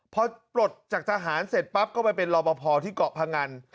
พอปลดจากทหารเสร็จปั๊บก็ไปเป็นรอปภที่เกาะพงัน